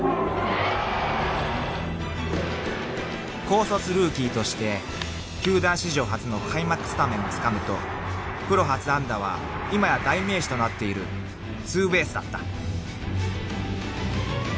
［高卒ルーキーとして球団史上初の開幕スタメンをつかむとプロ初安打は今や代名詞となっているツーベースだった］